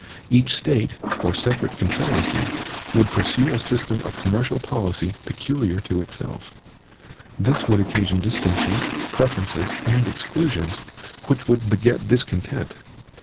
Each State, or separate confederacy, would pursue a system of commercial policy peculiar to itself. This would occasion distinctions, preferences, and exclusions, which would beget discontent.